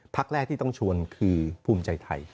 พักแรกที่ต้องชวนคือภูมิใจไทย